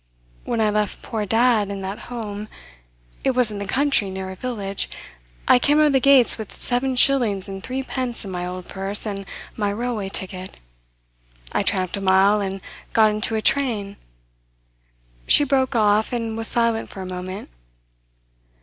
When I left poor dad in that home it was in the country, near a village I came out of the gates with seven shillings and threepence in my old purse, and my railway ticket. I tramped a mile, and got into a train " She broke off, and was silent for a moment.